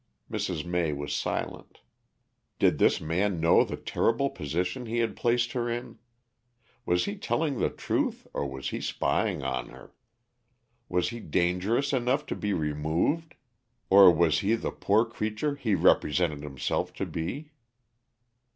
Mrs. May was silent. Did this man know the terrible position he had placed her in? Was he telling the truth, or was he spying on her? Was he dangerous enough to be removed? Or was he the poor creature he represented himself to be?